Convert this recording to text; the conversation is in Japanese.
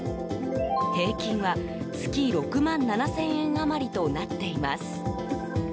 平均は、月６万７０００円余りとなっています。